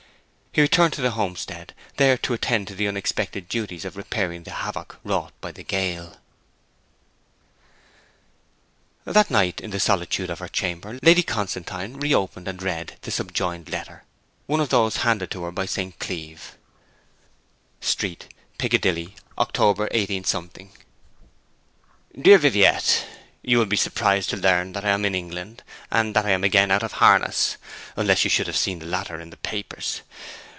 He returned to the homestead, there to attend to the unexpected duties of repairing the havoc wrought by the gale. That night, in the solitude of her chamber, Lady Constantine reopened and read the subjoined letter one of those handed to her by St. Cleeve: " STREET, PICCADILLY, October 15, 18 . 'DEAR VIVIETTE, You will be surprised to learn that I am in England, and that I am again out of harness unless you should have seen the latter in the papers.